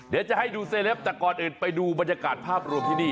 เดี๋ยวจะให้ดูเซเลปแต่ก่อนอื่นไปดูบรรยากาศภาพรวมที่นี่